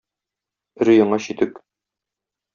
Өр-яңа читек.